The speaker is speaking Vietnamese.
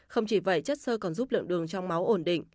không chỉ vậy chất sơ còn giúp lượng đường trong máu ổn định